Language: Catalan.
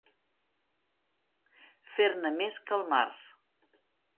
Fer-ne més que el març.